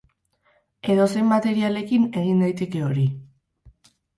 Edozein materialekin egin daiteke hori.